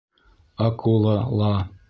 Акула ла!